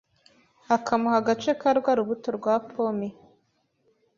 akamuha agace ka rwa rubuto rwa pome